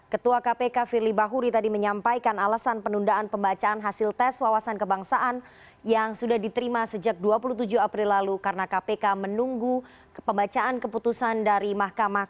ketua kpk firly bahuri tadi menyampaikan alasan penundaan pembacaan hasil tes wawasan kebangsaan yang sudah diterima sejak dua puluh tujuh april lalu karena kpk menunggu pembacaan keputusan dari mahkamah